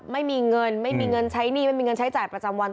ไม่มีเงินไม่มีเงินใช้หนี้ไม่มีเงินใช้จ่ายประจำวัน